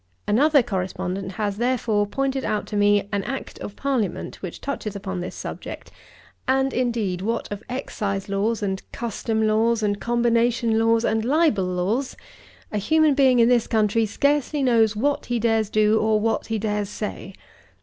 Another correspondent has, therefore, pointed out to me an Act of Parliament which touches upon this subject; and, indeed, what of Excise Laws and Custom Laws and Combination Laws and Libel Laws, a human being in this country scarcely knows what he dares do or what he dares say.